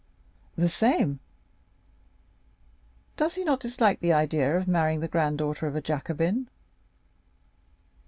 "The same." "Does he not dislike the idea of marrying the granddaughter of a Jacobin?"